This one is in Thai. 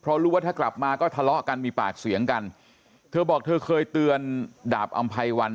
เพราะรู้ว่าถ้ากลับมาก็ทะเลาะกันมีปากเสียงกันเธอบอกเธอเคยเตือนดาบอำไพวัน